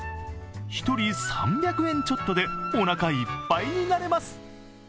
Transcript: １人３００円ちょっとで、おなかいっぱいになれます。